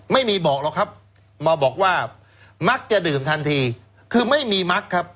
ไม่มีบอกหรอกครับมาบอกว่ามักจะดื่มทันทีคือไม่มีมักครับ